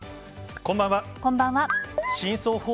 こんばんは。